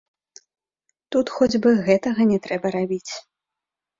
Тут хоць бы гэтага не трэба рабіць.